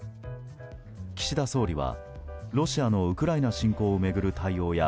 岸田総理は、ロシアのウクライナ侵攻を巡る対応や